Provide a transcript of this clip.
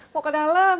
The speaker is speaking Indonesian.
mau ke dalam